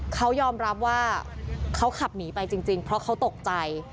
เขายอมรับว่าเขาขับหนีไปจริงเพราะเขาตกใจ